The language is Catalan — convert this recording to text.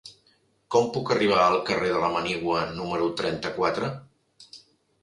Com puc arribar al carrer de la Manigua número trenta-quatre?